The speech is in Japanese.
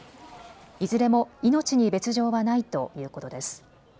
いずれも命に別状はないということです。